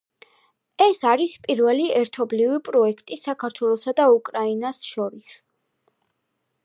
ეს არის პირველი ერთობლივი პროექტი საქართველოსა და უკრაინას შორის.